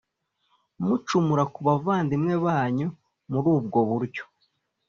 mucumura ku bavandimwe banyu muri ubwo buryo